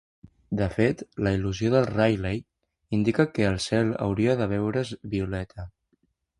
De fet, la difusió de Rayleigh indica que el cel hauria de veure's violeta.